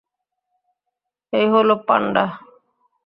এই হলো পান্ডা।